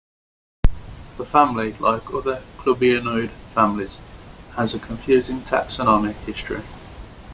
The family, like other "clubionoid" families, has a confusing taxonomic history.